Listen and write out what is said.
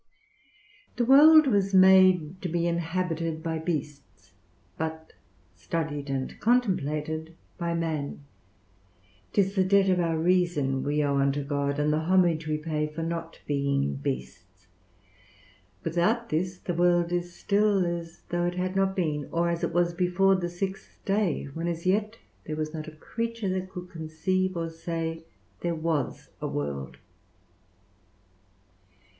The world was made to be inhabited by beasts, but studied and contemplated by man; 'tis the debt of our reason we owe unto God, and the homage we pay for not being beasts; without this, the world is still as though it had not been, or as it was before the sixth day, when as yet there was not a creature that could conceive or say there was a world.